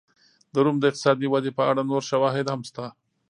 د روم د اقتصادي ودې په اړه نور شواهد هم شته.